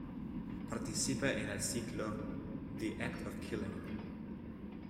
Participa en el ciclo "The act of killing.